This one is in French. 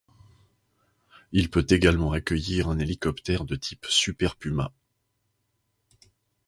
Il peut également accueillir un hélicoptère de type Super Puma.